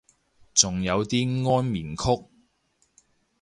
仲有啲安眠曲